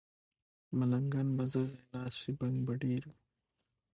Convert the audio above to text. ملنګان به ځای، ځای ناست وي، بنګ به ډېر وي